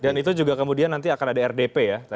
dan itu juga kemudian nanti akan ada rdp ya